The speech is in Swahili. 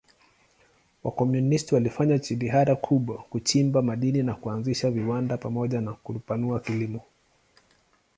Wakomunisti walifanya jitihada kubwa kuchimba madini na kuanzisha viwanda pamoja na kupanua kilimo.